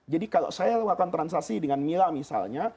jadi kalau saya melakukan transaksi dengan mila misalnya